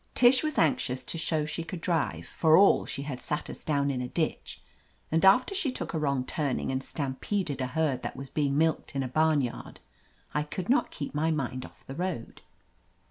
Tish was anxious to show she could drive, for all she had sat us down in a ditch, and after she took a wrong turning and stampeded a herd that was being milked in a barnyard, I could not keep my mind off the road.